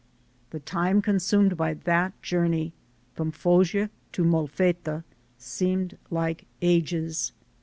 The time consumed by that journey from Foggia to Molfetta seemed like ages.